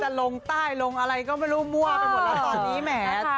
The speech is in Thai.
ลงใต้ลงอะไรก็ไม่รู้มั่วไปหมดแล้วตอนนี้แหม